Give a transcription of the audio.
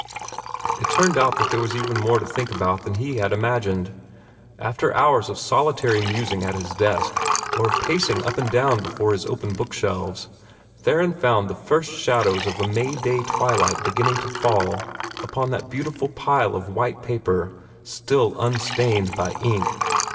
It turned out that there was even more to think about than he had imagined. After hours of solitary musing at his desk, or of pacing up and down before his open book shelves, Theron found the first shadows of a May day twilight beginning to fall upon that beautiful pile of white paper, still unstained by ink.